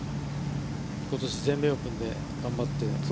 ことし、全米オープンで頑張って。